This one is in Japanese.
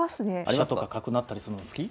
「飛車とか角成ったりするの好き？」。